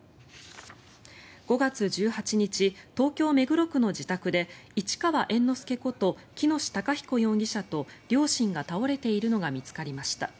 ５月１８日東京・目黒区の自宅で市川猿之助こと喜熨斗孝彦容疑者と両親が倒れているのが見つかりました。